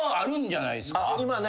今ね